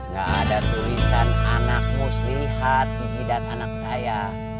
gak ada tulisan anak muslihat di jidat anak saya